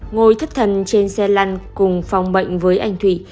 ngồi thấp thần trên xe lăn cùng phòng bệnh với anh thủy